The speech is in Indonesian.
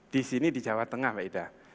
di sini di jawa tengah maeda